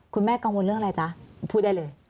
คุณแม่กังวลเรื่องอะไรจ๊ะพูดได้เลย